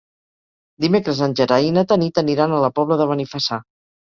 Dimecres en Gerai i na Tanit aniran a la Pobla de Benifassà.